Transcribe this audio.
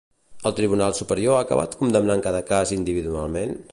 El Tribunal Superior ha acabat condemnant cada cas individualment?